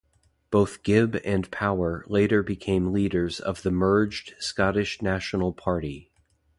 Both Gibb and Power later became leaders of the merged Scottish National Party.